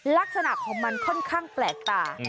ลักษณะของมันค่อนข้างแปลกตา